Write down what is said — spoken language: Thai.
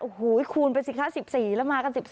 โอ้โหคูณไปสิคะ๑๔แล้วมากัน๑๔